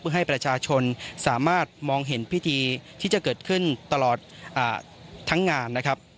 ให้ประชาชนสามารถมองเห็นพิธีที่จะเกิดขึ้นตลอดทั้งงานนะครับ